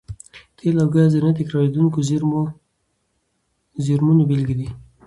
تېل او ګاز د نه تکرارېدونکو زېرمونو بېلګې دي.